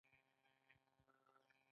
په اوس کې ژوند وکړئ